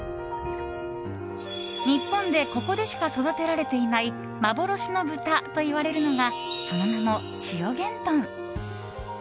日本でここでしか育てられていない幻の豚といわれるのがその名も、千代幻豚。